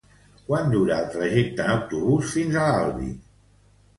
Quant dura el trajecte en autobús fins a l'Albi?